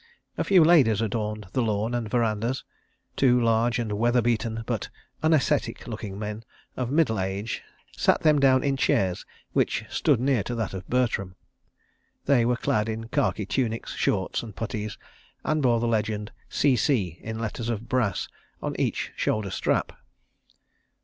A few ladies adorned the lawn and verandahs. Two large and weather beaten but unascetic looking men of middle age sat them down in chairs which stood near to that of Bertram. They were clad in khaki tunics, shorts and puttees, and bore the legend "C.C." in letters of brass on each shoulder strap.